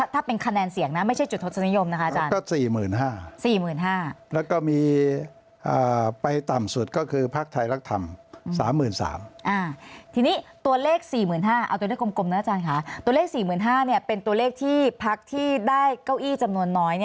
ถ้าเป็นคะแนนเสียงไม่ใช่จุดทศนิยมนะคะอาจารย์